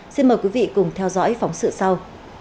xin mời quý vị cùng theo dõi phóng sự sau